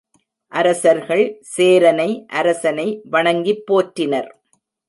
அரசர்கள் சேரனை அரசனை வணங்கிப் போற்றினர்.